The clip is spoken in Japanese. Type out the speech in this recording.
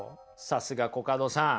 さすがコカドさん。